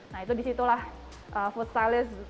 nah itu di situlah food stylist